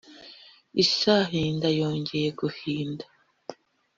Isahinda yongeye guhinda